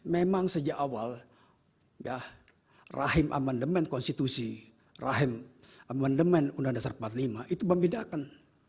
memang sejak awal rahim amendement konstitusi rahim amendement undang undang dasar empat puluh lima itu membedakan